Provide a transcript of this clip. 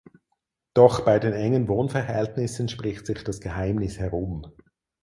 Doch bei den engen Wohnverhältnissen spricht sich das Geheimnis herum.